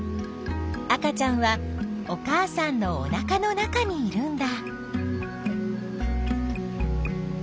赤ちゃんはお母さんのおなかの中にいるんだ。